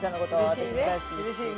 私も大好きですし。